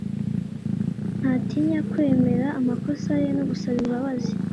ntatinya kwemera amakosa ye no gusaba imbabazi